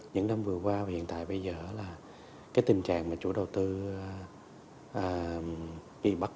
những năm vừa qua và hiện tại bây giờ là cái tình trạng mà chủ đầu tư bị bắt